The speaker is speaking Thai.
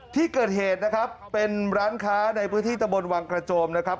ที่เกิดเหตุนะครับเป็นร้านค้าในพื้นที่ตะบนวังกระโจมนะครับ